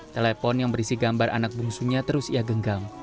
telepon yang berisi gambar anak bungsunya terus ia genggam